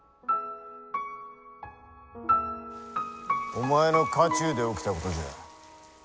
お前の家中で起きたことじゃ。